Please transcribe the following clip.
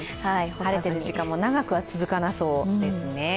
晴れてる時間も長くは続かなそうですね。